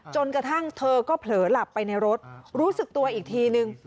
จนกระทั่งเธอก็เผลอหลับไปในรถรู้สึกตัวอีกทีนึง